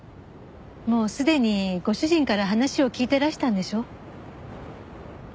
もうすでにご主人から話を聞いてらしたんでしょ？